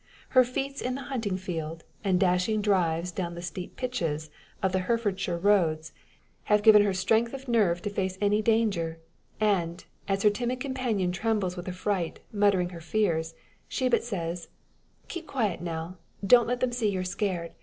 Her feats in the hunting field, and dashing drives down the steep "pitches" of the Herefordshire roads, have given her strength of nerve to face any danger; and, as her timid companion trembles with affright, muttering her fears, she but says "Keep quiet, Nell! Don't let them see you're scared.